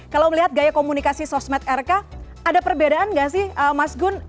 kalau melihat gaya komunikasi sosmed rk ada perbedaan nggak sih mas gun